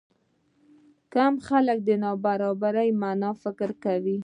کم خلک د نابرابرۍ معنی فکر کوي.